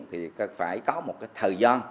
thì phải có một cái thời gian